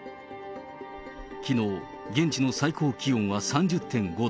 きのう、現地の最高気温は３０．５度。